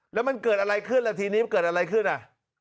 แล้วมันเกิดอะไรขึ้นล่ะทีนี้มันเกิดอะไรขึ้นอ่ะ